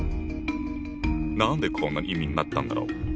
何でこんな意味になったんだろう？